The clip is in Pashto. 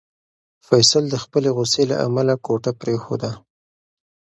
فیصل د خپلې غوسې له امله کوټه پرېښوده.